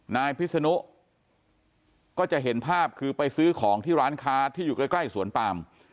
นายพิศนุก็จะเห็นภาพคือไปซื้อของที่ร้านค้าที่อยู่ใกล้สวนปาม